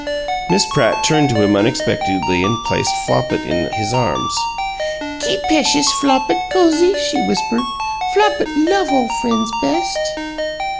Miss Pratt turned to him unexpectedly and placed Flopit in his arms. "Keep p'eshus Flopit cozy," she whispered. "Flopit love ole friends best!"